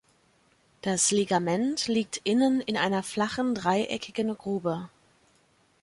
Das Ligament liegt innen in einer flachen, dreieckigen Grube.